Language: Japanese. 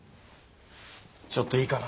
ちょっといいかな。